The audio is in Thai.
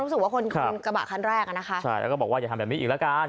คุณกระบะครั้งแรกอ่ะนะคะใช่แล้วก็บอกว่าอย่าทำแบบนี้อีกแล้วกัน